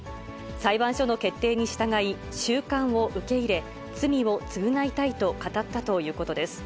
裁判所の決定に従い、収監を受け入れ、罪を償いたいと語ったということです。